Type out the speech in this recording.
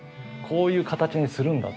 こういう形にするんだ